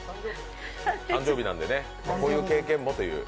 誕生日なんでね、こういう経験もという。